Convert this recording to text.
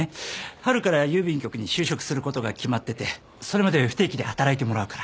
春から郵便局に就職することが決まっててそれまで不定期で働いてもらうから。